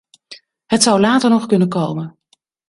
Het zou later nog kunnen komen.